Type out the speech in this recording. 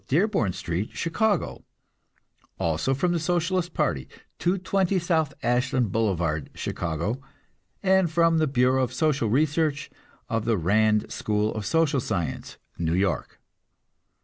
Dearborn Street, Chicago; also from the Socialist party, 220 South Ashland Boulevard, Chicago, and from the Bureau of Social Research of the Rand School of Social Science, New York.